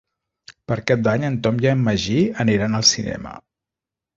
Per Cap d'Any en Tom i en Magí aniran al cinema.